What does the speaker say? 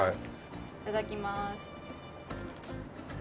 いただきます。